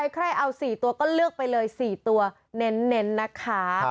ใครเอา๔ตัวก็เลือกไปเลย๔ตัวเน้นนะคะ